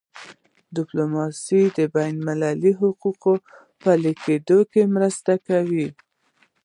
ډیپلوماسي د بینالمللي حقوقو په پلي کېدو کي مرسته کوي.